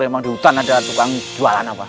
memang di hutan ada tukang jualan apa